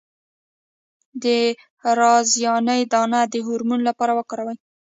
د رازیانې دانه د هورمون لپاره وکاروئ